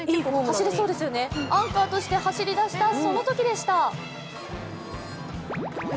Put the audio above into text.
アンカーとして走り出したそのときでした。